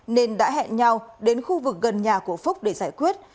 nên đã hẹn nhau đến khu vực gần nhà của phúc để giải quyết